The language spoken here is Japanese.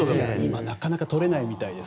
今、なかなか取れないみたいです。